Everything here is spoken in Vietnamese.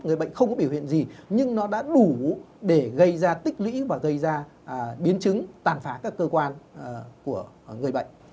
người bệnh không có biểu hiện gì nhưng nó đã đủ để gây ra tích lũy và gây ra biến chứng tàn phá các cơ quan của người bệnh